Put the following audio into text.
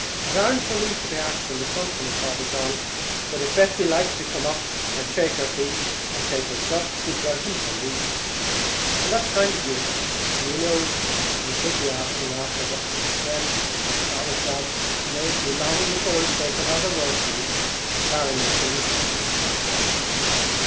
"It ar'nt for me to ax the company, Father John, but if Betsy likes to come up and shake her feet and take her sup, she's welcome for me." "That's kind of you; and you know you could be asking after the " "Well then, Father John, may it be long before I spake another word to you, barring my sins!"